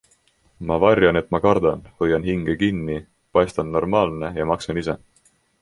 Ma varjan, et ma kardan, hoian hinge kinni, paistan normaalne ja maksan ise.